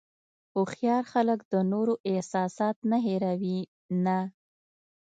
هوښیار خلک د نورو احساسات نه هیروي نه.